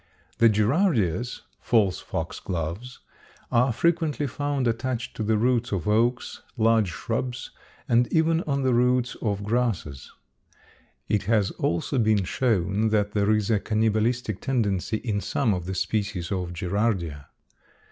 The gerardias (false foxgloves) are frequently found attached to the roots of oaks, large shrubs, and even on the roots of grasses. It has also been shown that there is a cannibalistic tendency in some of the species of gerardia.